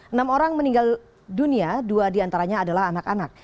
enam orang meninggal dunia dua diantaranya adalah anak anak